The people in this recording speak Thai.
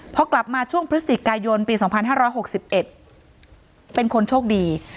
พอกลับมาช่วงพฤศจิกายนปี๒๕๖๑เป็นคนโชคดี